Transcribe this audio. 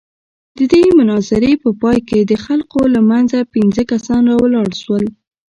د دې مناظرې په پاى کښې د خلقو له منځه پينځه کسان راولاړ سول.